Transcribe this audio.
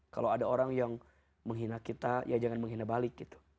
kalau ada orang yang menghina kita ya jangan menghina balik gitu